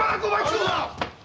殿！